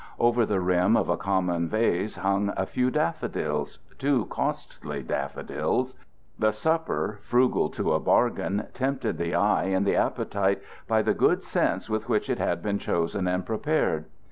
Over the rim of a common vase hung a few daffodils, too costly daffodils. The supper, frugal to a bargain, tempted the eye and the appetite by the good sense with which it had been chosen and prepared.